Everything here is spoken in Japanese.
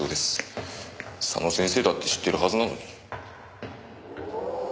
佐野先生だって知ってるはずなのに。